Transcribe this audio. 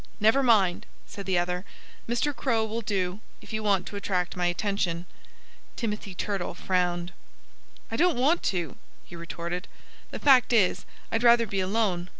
"Never mind!" said the other. "Mr. Crow will do, if you want to attract my attention." Timothy Turtle frowned. "I don't want to," he retorted. "The fact is, I'd rather be alone.